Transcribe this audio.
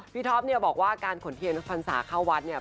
พี่ทอปบอกว่าการขนเทียนฟันศาสตร์เข้าวัดเนี่ย